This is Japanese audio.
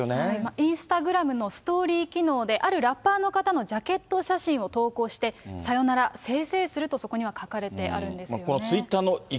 インスタグラムのストーリー機能で、あるラッパーの方のジャケット写真を投稿して、さよなら、せいせいすると、そこには書かれてあるんですよね。